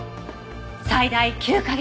最大９カ月！